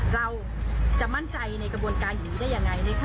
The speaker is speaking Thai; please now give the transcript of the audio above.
เราจะมั่นใจในกระบวนการอย่างนี้ได้ยังไง